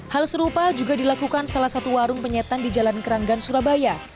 hal serupa juga dilakukan salah satu warung penyetan di jalan keranggan surabaya